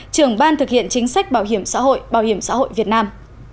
trưởng ban thực hiện chính sách bảo hiểm xã hội bảo hiểm xã hội việt nam